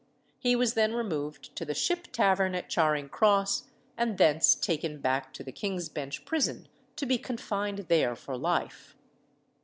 He was then removed to the Ship Tavern at Charing Cross, and thence taken back to the King's Bench prison, to be confined there for life.